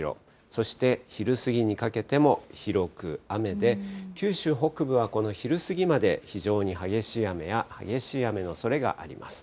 そして昼過ぎにかけても、広く雨で、九州北部はこの昼過ぎまで非常に激しい雨や激しい雨のおそれがあります。